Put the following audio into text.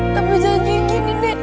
tapi jangan kayak gini nek